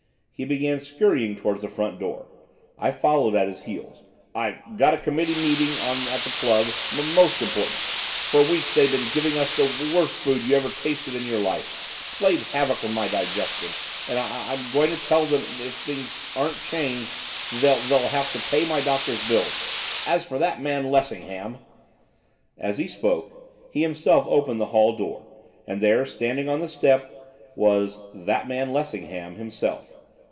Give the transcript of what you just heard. He began scurrying towards the front door, I following at his heels. 'I've got a committee meeting on at the club, m most important! For weeks they've been giving us the worst food you ever tasted in your life, p played havoc with my digestion, and I I'm going to tell them if things aren't changed, they they'll have to pay my doctor's bills. As for that man, Lessingham ' As he spoke, he himself opened the hall door, and there, standing on the step was 'that man Lessingham' himself.